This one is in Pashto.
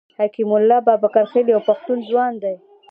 حکیم الله بابکرخېل یو پښتون ځوان دی.